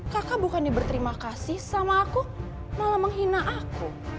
kakak bukan berterima kasih sama aku malah menghina aku